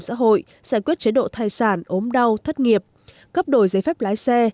giải quyết chế độ thai sản ốm đau thất nghiệp cấp đổi giấy phép lái xe